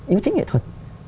yêu thích nghệ thuật